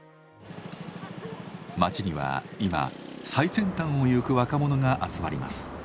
町には今最先端を行く若者が集まります。